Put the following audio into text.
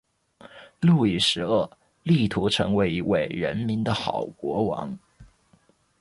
路易十二力图成为一位人民的好国王。